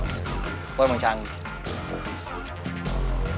gue emang canggih